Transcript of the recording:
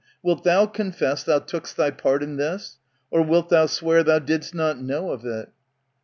Wilt thou confess thou took'st thy part in this, Or wilt thou swear thou did'st not know of it?